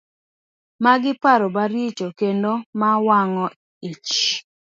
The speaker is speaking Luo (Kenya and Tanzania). Magi paro maricho kendo ma wang'o ich.